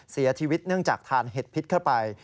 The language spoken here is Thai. เสียชีวิตเนื่องจากทานเห็ดพิษเข้าไป